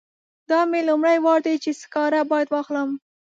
دا مې لومړی وار دی چې سکاره باید واخلم.